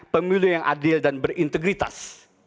pemilu yang adil dan berintegritas